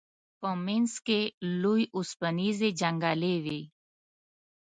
په منځ کې لوی اوسپنیزې جنګلې وې.